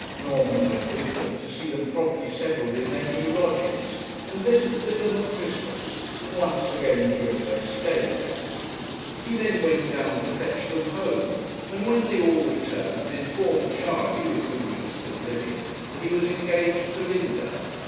Norman went with them to see them properly settled in their new lodgings, and visited them at Christmas, and once again during their stay there. He then went down to fetch them home, and when they all returned, informed Charley, with whom he was still living, that he was engaged to Linda.